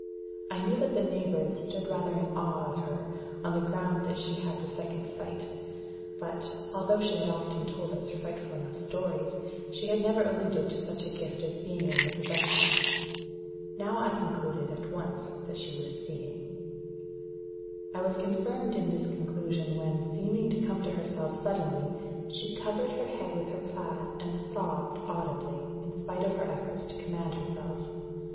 I knew that the neighbours stood rather in awe of her, on the ground that she had the second sight; but, although she often told us frightful enough stories, she had never alluded to such a gift as being in her possession. Now I concluded at once that she was seeing. I was confirmed in this conclusion when, seeming to come to herself suddenly, she covered her head with her plaid, and sobbed audibly, in spite of her efforts to command herself.